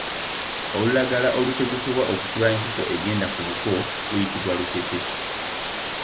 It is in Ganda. Olulagala olutegekebwa okusiba enkoko egenda ku buko luyitibwa lukete.